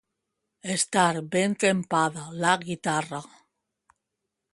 Estar ben trempada la guitarra.